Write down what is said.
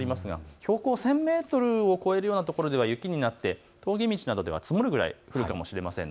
標高１０００メートルを超える所は雪になって峠道などでは積もるくらい降るかもしれません。